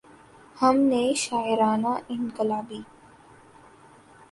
ہم نہ شاعر نہ انقلابی۔